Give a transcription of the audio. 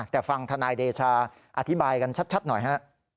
แต่ฟังธนายเดชาอธิบายกันชัดหน่อยฮะ